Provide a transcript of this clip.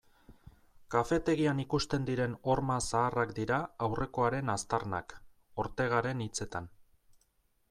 Kafetegian ikusten diren horma zaharrak dira aurrekoaren aztarnak, Ortegaren hitzetan.